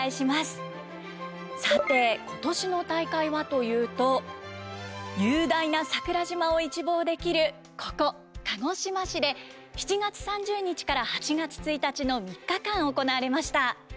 さて今年の大会はというと雄大な桜島を一望できるここ鹿児島市で７月３０日から８月１日の３日間行われました。